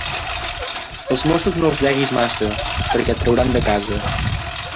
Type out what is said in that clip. Als mossos no els deguis massa, perquè et trauran de casa.